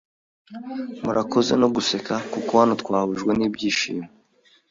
Murakoze no guseka kuko hano twahujwe n’ibyishimo